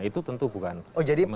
itu tentu bukan kementerian